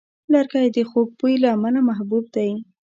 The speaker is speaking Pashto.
لرګی د خوږ بوی له امله محبوب دی.